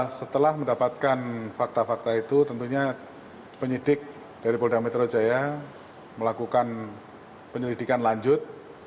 setelah mendapatkan fakta fakta itu tentunya penyidik dari polda metro jaya melakukan penyelidikan lanjut